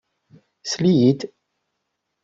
Sell-iyi-d!